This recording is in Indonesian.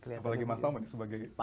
apalagi mas tama sebagai koordinator